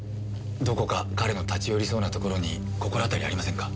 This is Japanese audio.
どこか彼の立ち寄りそうな所に心当たりありませんか？